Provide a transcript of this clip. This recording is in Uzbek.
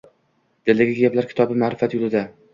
“Diladagi gaplar” kitobi ma’rifat yo‘lida